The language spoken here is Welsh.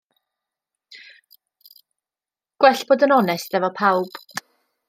Gwell bod yn onest efo pawb.